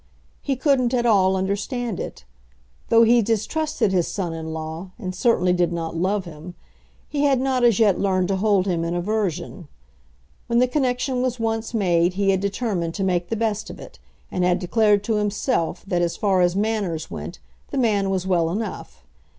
He couldn't at all understand it. Though he distrusted his son in law, and certainly did not love him, he had not as yet learned to hold him in aversion. When the connection was once made he had determined to make the best of it, and had declared to himself that as far as manners went the man was well enough.